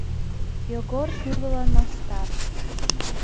Йогор тӱрлылан мастар.